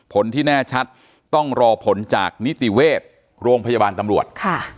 ผลที่แน่ชัดต้องรอผลจากนิติเวชโรงพยาบาลตำรวจ